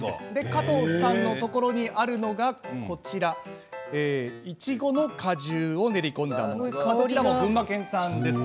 加藤さんのところにあるのがいちごの果汁を練り込んだものです。